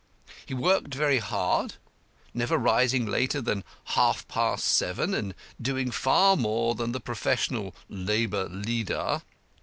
He worked very hard, never rising later than half past seven, and doing far more than the professional 'labour leader.'